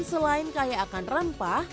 selain kaya akan rempah